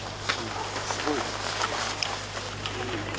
すごいね。